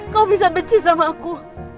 kamu bisa benci sama aku